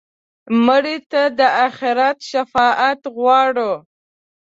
مړه ته د آخرت شفاعت غواړو